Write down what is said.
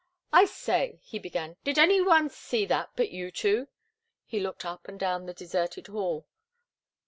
"I say," he began, "did anybody see that but you two?" He looked up and down the deserted hall.